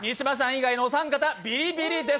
意外のお三方ビリビリです。